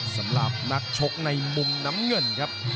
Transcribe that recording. สำหรับนักชกในมุมน้ำเงินครับ